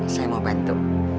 saya mau bantu